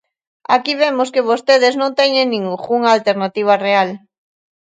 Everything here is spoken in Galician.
Aquí vemos que vostedes non teñen ningunha alternativa real.